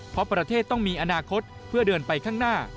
เพราะประเทศต้องมีอนาคตเพื่อเดินไปข้างหน้า